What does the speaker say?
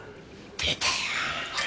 出たよ！